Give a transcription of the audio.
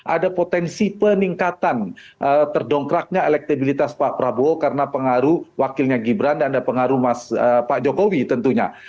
ada potensi peningkatan terdongkraknya elektabilitas pak prabowo karena pengaruh wakilnya gibran dan ada pengaruh pak jokowi tentunya